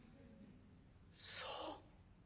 「そう。